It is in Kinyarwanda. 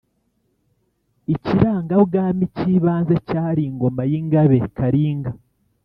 ikirangabwami cy'ibanze cyari ingoma y'ingabe karinga.